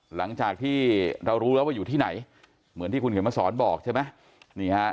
หลังจากที่เรารู้แล้วว่าอยู่ที่ไหนเหมือนที่คุณเขียนมาสอนบอกใช่ไหมนี่ฮะ